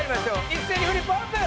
一斉にフリップオープン！